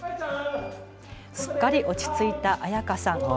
すっかり落ち着いた彩花さん。